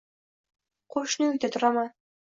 Qo’shni uyda turaman...